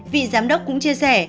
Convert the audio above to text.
vị giám đốc cũng chia sẻ